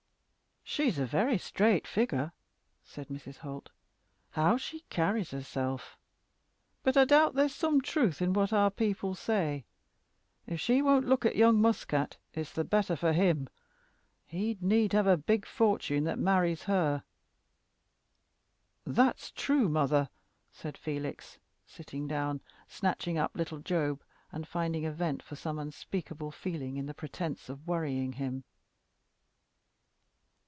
"She's a very straight figure," said Mrs. Holt. "How she carries herself! But I doubt there's some truth in what our people say. If she won't look at young Muscat, it's the better for him. He'd need have a big fortune that marries her." "That's true, mother," said Felix, sitting down, snatching up little Job, and finding a vent for some unspeakable feeling in the pretence of worrying him.